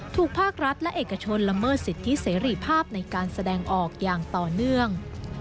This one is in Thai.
ภาครัฐและเอกชนละเมิดสิทธิเสรีภาพในการแสดงออกอย่างต่อเนื่อง